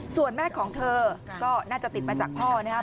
ส่วนแม่ของเธอก็น่าจะติดมาจากพ่อนะครับ